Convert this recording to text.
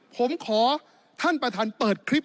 ผมขอท่านประธานเปิดคลิป